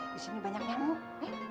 disini banyak nyamuk